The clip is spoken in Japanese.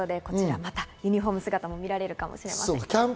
またユニホーム姿も見られるかもしれませんね。